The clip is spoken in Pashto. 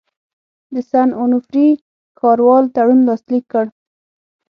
د سن اونوفري ښاروال تړون لاسلیک کړ.